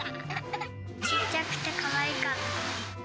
ちっちゃくてかわいかった。